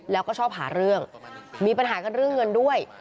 แล้วก็ชอบหาเรื่องมีปัญหากันเรื่องเงินด้วย